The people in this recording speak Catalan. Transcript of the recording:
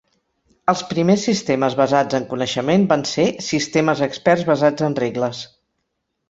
Els primers sistemes basats en coneixement van ser sistemes experts basats en regles.